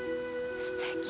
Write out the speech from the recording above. すてき。